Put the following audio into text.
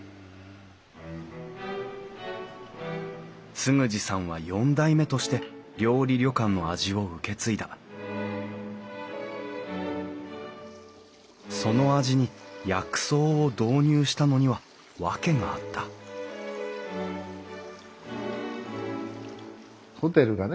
嗣二さんは４代目として料理旅館の味を受け継いだその味に薬草を導入したのには訳があったホテルがね